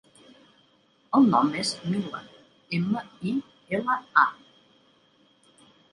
El nom és Mila: ema, i, ela, a.